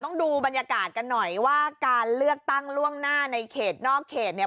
ต้องดูบรรยากาศกันหน่อยว่าการเลือกตั้งล่วงหน้าในเขตนอกเขตเนี่ย